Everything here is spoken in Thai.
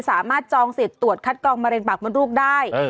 สามารถจองสิทธิ์ตรวจคัดกรองมะเร็งปากบนลูกได้